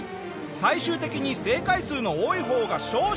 最終的に正解数の多い方が勝者だ。